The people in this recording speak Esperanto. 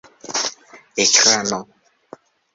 ekrano